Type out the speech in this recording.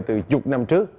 từ chục năm trước